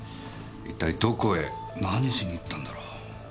一体どこへ何しに行ったんだろう？